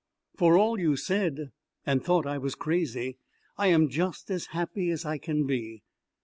... For all you said, and hought I was crazy, I am just as happy as I can be.